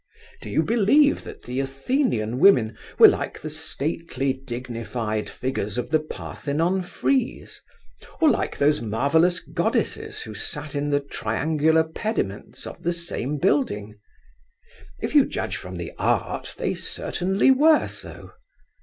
Do you believe that the Athenian women were like the stately dignified figures of the Parthenon frieze, or like those marvellous goddesses who sat in the triangular pediments of the same building? If you judge from the art, they certainly were so.